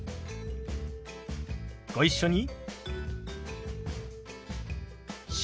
ご一緒に。